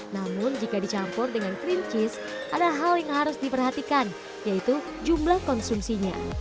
namun jika dicampur dengan cream cheese ada hal yang harus diperhatikan yaitu jumlah konsumsinya